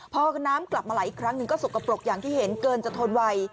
พอน้ำกลับมาไหลอีกครั้งหนึ่งก็สกปรกอย่างที่เห็นเกินจะทนไว